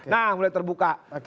nah mulai terbuka